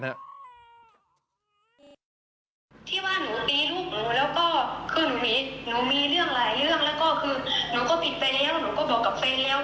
ที่ว่าหนูปีนลูกหนูแล้วก็คือหนูมีเรื่องหลายเรื่องแล้วก็คือหนูก็ผิดไปแล้ว